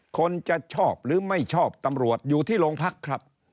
คนจะชอบหรือไม่ชอบตำรวจอยู่ที่โรงพักครับ